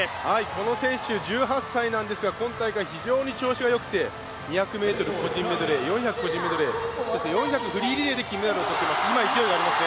この選手１８歳なんですが今大会、非常に調子がよくて２００ｍ個人メドレー４００ｍ個人メドレーそして４００フリーリレーでメダルを獲得しています。